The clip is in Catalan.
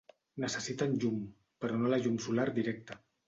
Necessiten llum, però no la llum solar directa.